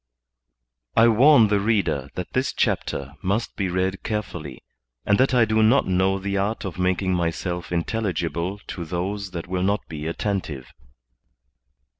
I WARN the reader that this chapter must be read care fully, and that I do not know the art of making myself intelligible to those that will not be attentive.